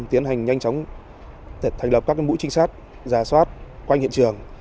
tiến hành nhanh chóng thành lập các mũi trinh sát giả soát quanh hiện trường